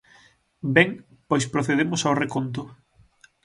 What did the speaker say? Ben, pois procedemos ao reconto.